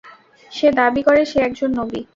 সে দাবী করে, সে একজন নবী।